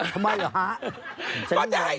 ก็ได้